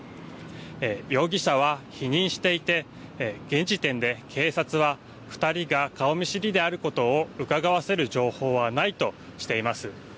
容疑者は否認していて現時点で警察は２人が顔見知りであることをうかがわせる情報はないとしています。